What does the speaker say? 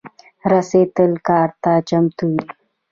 رسۍ تل کار ته چمتو وي.